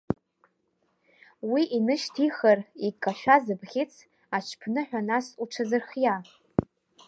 Уи инышьҭихыр икашәаз абӷьыц, аҽԥныҳәа нас уҽазырхиа.